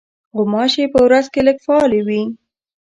غوماشې په ورځ کې لږ فعالې وي.